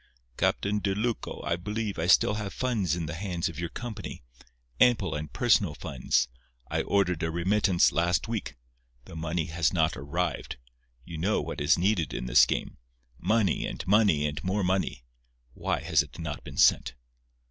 "Captain De Lucco, I believe I still have funds in the hands of your company—ample and personal funds. I ordered a remittance last week. The money has not arrived. You know what is needed in this game. Money and money and more money. Why has it not been sent?"